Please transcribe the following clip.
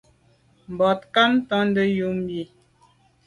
Mbat nka’ tonte yub yi.